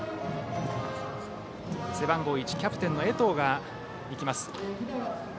背番号１、キャプテンの江藤が行きます。